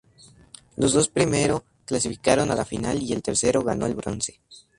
Los dos primero clasificaron a la final y el tercero ganó el bronce.